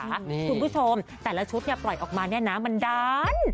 คุณผู้ชมแต่ละชุดปล่อยออกมาเนี่ยนะมันดัน